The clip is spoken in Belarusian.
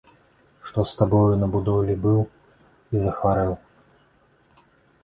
Што з табой на будоўлі быў і захварэў?